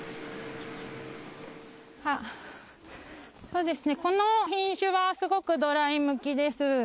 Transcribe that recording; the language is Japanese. そうですね、この品種はすごくドライ向きです。